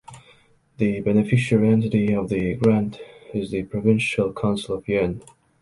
The beneficiary entity of the grant is the Provincial Council of Jaén.